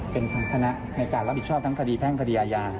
เป็นทางคณะในการรับผิดชอบทั้งคดีแพ่งคดีอาญา